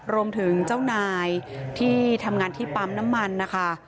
รวมถึงเจ้านายที่ทำงานที่ปั๊มน้ำมันนะคะ